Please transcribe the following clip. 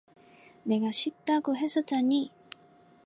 내가 쉽다고 했었잖니.